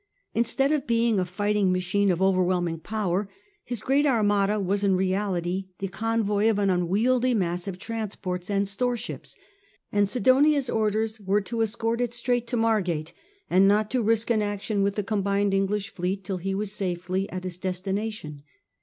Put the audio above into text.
Instead of being a fighting machine of overwhelming power, his great Armada was in reality the convoy of an unwieldy mass of transports and storeships ; and Sidonia's orders were to escort it straight to Margate, and not to risk an action with the combined English fleet till he was safely at his destin ation.